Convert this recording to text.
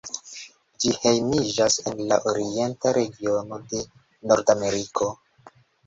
Ĝi hejmiĝas en la orienta regiono de Nordameriko.